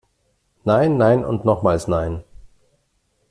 Nein, nein und nochmals nein!